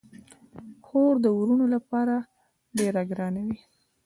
خور د وروڼو لپاره ډیره ګرانه وي.